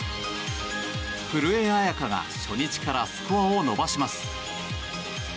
古江彩佳が初日からスコアを伸ばします。